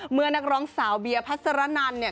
เมื่อนักร้องสาวเบียพัดสารนันเนี่ย